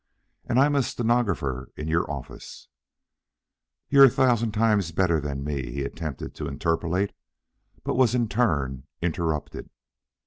"And I'm a stenographer in your office " "You're a thousand times better than me " he attempted to interpolate, but was in turn interrupted.